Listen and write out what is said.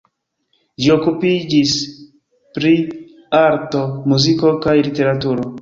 Ĝi okupiĝis pri arto, muziko kaj literaturo.